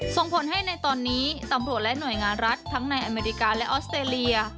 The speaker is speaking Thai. ส่งผลให้ในตอนนี้ตำรวจและหน่วยงานรัฐทั้งในอเมริกาและออสเตรเลีย